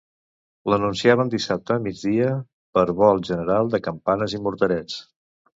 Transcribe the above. L’anunciaven dissabte a migdia per vol general de campanes i morterets.